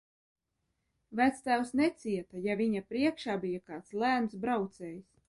Vectēvs necieta, ja viņa priekšā bija kāds lēns braucējs.